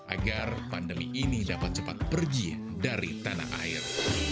agar pandemi ini dapat cepat pergi dari tanah air